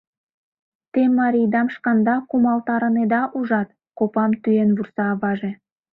Те марийдам шканда кумалтарынеда, ужат?! — копам тӱен вурса аваже.